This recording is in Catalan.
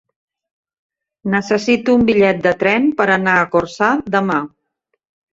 Necessito un bitllet de tren per anar a Corçà demà.